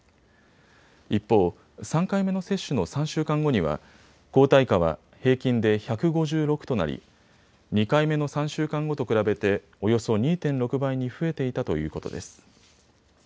一方、３回目の接種の３週間後には抗体価は平均で１５６となり２回目の３週間後と比べておよそ２．６倍に増えていたということです。